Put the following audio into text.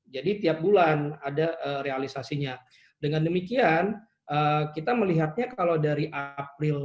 jadi tiap bulan ada realisasinya dengan demikian kita melihatnya kalau dari april